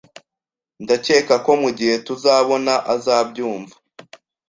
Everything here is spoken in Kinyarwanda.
Ndakeka ko mugihe tuzabona ...azabyumva